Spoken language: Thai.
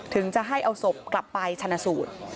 ถึงจะให้เอาศพกลับไปชนะสูตร